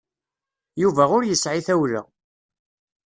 Yuba ur yesɛi tawla.